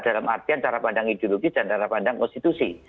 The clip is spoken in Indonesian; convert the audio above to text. dalam artian cara pandang ideologis dan cara pandang konstitusi